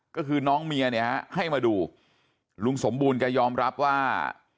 ก็คือน้องเมียให้มาดูลุงสมบูรณ์ก็ยอมรับว่า